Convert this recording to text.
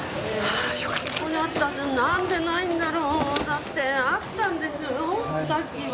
ここにあったはずがなんでないんだろう？だってあったんですよさっきは。